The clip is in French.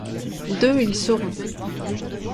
Deux ils seront.